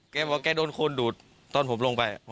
แกบอกแกโดนโคนดูดตอนผมลงไป